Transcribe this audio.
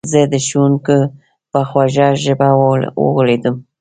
زه د ښوونکي په خوږه ژبه وغولېدم.